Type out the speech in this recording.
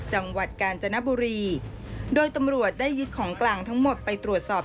จังหวัดกาญจนบุรีโดยตำรวจได้ยึดของกลางทั้งหมดไปตรวจสอบ